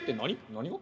何が？